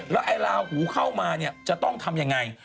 แล้วไอ้ลาหูเข้ามาเนี่ยจะต้องทำยังไง